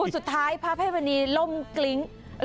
สุดท้ายพระภัยมณีล่มกลิ้ง